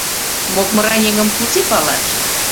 Мокмыран еҥым кузе палаш?